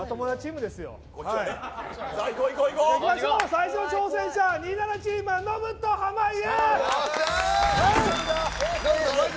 最初の挑戦者「２７」チームはノブと濱家！